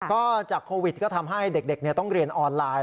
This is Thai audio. ก็จากโควิดก็ทำให้เด็กต้องเรียนออนไลน์